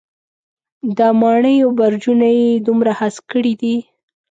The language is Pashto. د ماڼېیو برجونه یې دومره هسک کړي دی.